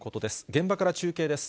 現場から中継です。